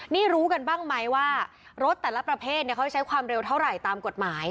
นี่รู้กันบ้างไหมว่ารถแต่ละประเภทเขาจะใช้ความเร็วเท่าไหร่ตามกฎหมาย